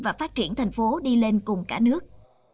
và phát triển tp hcm đi lên cùng cả nước